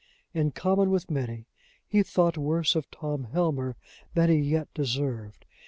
In common with many, he thought worse of Tom Helmer than he yet deserved.